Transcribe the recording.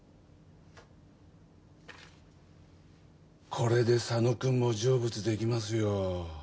これで佐野くんも成仏できますよ。